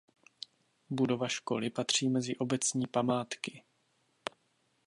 Budova školy patří mezi obecní památky.